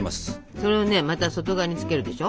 それをまた外側につけるでしょ。